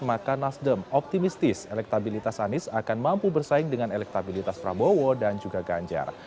maka nasdem optimistis elektabilitas anies akan mampu bersaing dengan elektabilitas prabowo dan juga ganjar